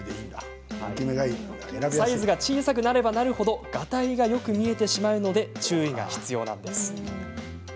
サイズが小さくなればなるほどがたいがよく見えてしまうので注意が必要なんです。